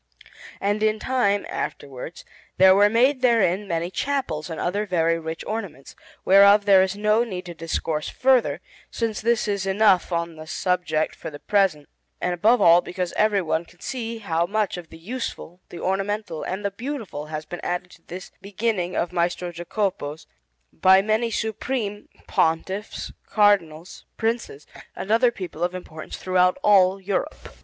And in time, afterwards, there were made therein many chapels and other very rich ornaments, whereof there is no need to discourse further, since this is enough on this subject for the present, and above all because everyone can see how much of the useful, the ornamental, and the beautiful has been added to this beginning of Maestro Jacopo's by many supreme Pontiffs, Cardinals, Princes, and other people of importance throughout all Europe.